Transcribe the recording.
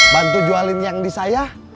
bantu jualin yang di saya